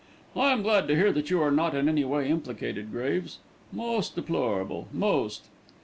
I am glad to hear that you are not in any way implicated, Graves. Most deplorable, most."